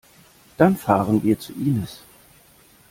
Dann fahren wir zu Inis.